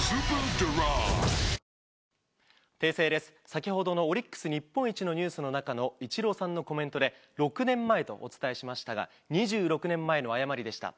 先ほどのオリックス日本一のニュースの中のイチローさんのコメントで、６年前とお伝えしましたが、２６年前の誤りでした。